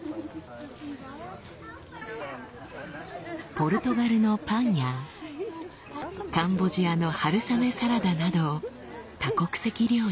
ポルトガルのパンやカンボジアの春雨サラダなど多国籍料理。